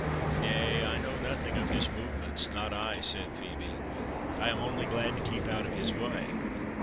"Nay, I know nothing of his movements, not I," said Phœbe; "I am only glad to keep out of his way.